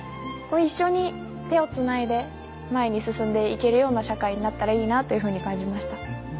一緒に手をつないで前に進んでいけるような社会になったらいいなというふうに感じました。